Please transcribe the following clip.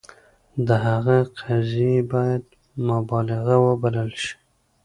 د هغه قضیې باید مبالغه وبلل شي.